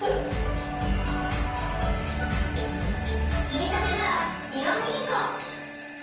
つみたてならイオン銀行！